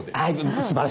すばらしいです。